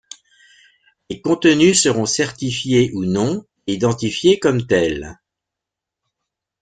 Les contenus seront certifiés ou non et identifiés comme tels.